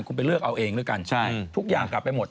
คุณไปเลือกเอาเองด้วยกันทุกอย่างกลับไปหมด